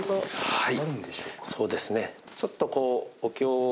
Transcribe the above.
はい。